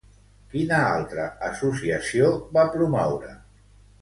Quina altra associació va promoure?